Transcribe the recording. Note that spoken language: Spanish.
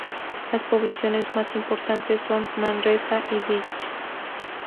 Las poblaciones más importantes son Manresa y Vich.